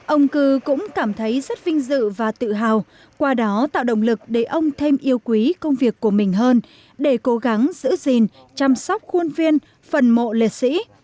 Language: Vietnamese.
ông cư cũng cảm thấy rất vinh dự và tự hào qua đó tạo động lực để ông thêm yêu quý công việc của mình hơn để cố gắng giữ gìn chăm sóc khuôn viên phần mộ liệt sĩ